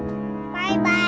バイバイ！